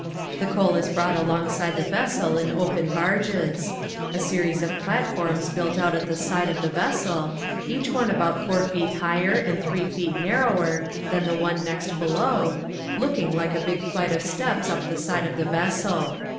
The coal is brought along side the vessel in open barges ; a series of platforms built out at the side of the vessel, each one about 4 feet higher and 3 feet narrower than the one next below, looking like a big flight of steps up the side of the vessel.